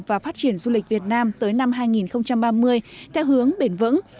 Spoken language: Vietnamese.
và phát triển du lịch việt nam tới năm hai nghìn ba mươi theo hướng bền vững